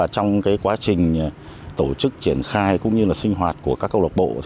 trong quá trình tổ chức triển khai cũng như sinh hoạt của các câu lạc bộ